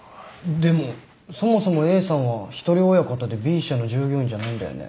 でもそもそもＡさんは一人親方でＢ社の従業員じゃないんだよね。